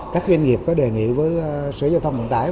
các doanh nghiệp có đề nghị với sở giao thông vận tải